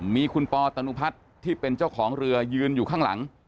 มีคุณปอตนุพัฒน์ที่เป็นเจ้าของเรือยืนอยู่ข้างหลัง